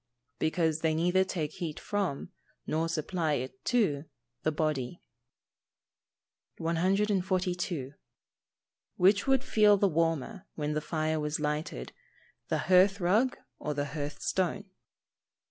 _ Because they neither take heat from, nor supply it to, the body. 142. _Which would feel the warmer, when the fire was lighted, the hearth rug or the hearth stone?